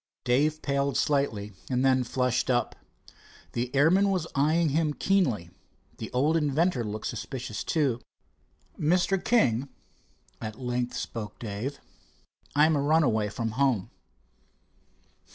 Dave paled slightly, and then flushed up. The airman was eyeing him keenly. The old inventor looked suspicious, too. "Mr. King," at length spoke Dave, "I am a runaway from home."